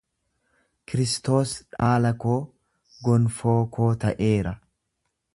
Kiristoos dhaala koo, gonfoo koo ta'eera.